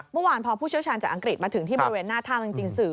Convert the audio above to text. เมื่อวานพอผู้เชี่ยวชาญจากอังกฤษมาถึงที่บริเวณหน้าถ้ำจริงสื่อ